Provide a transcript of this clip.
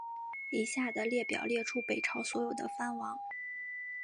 以下的列表列出北朝所有的藩王。